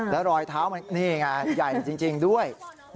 แล้วรอยเท้ามันนี่ไงใหญ่จริงด้วย